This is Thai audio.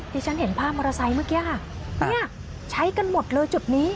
ที่ฉันเห็นภาพมอเตอร์ไซค์เมื่อกี้ค่ะเนี่ยใช้กันหมดเลยจุดนี้